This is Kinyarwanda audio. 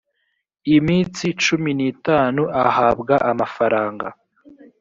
iminsi cumi n itanu ahabwa amafaranga